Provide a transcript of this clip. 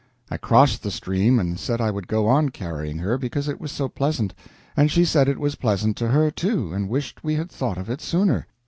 I crossed the stream, and said I would go on carrying her, because it was so pleasant; and she said it was pleasant to her, too, and wished we had thought of it sooner.